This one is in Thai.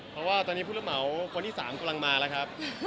เพราะว่าตอนนี้ผู้รับเหมาคนที่๓กำลังมาแล้วครับ